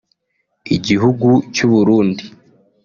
Igihugu cy’u Burundi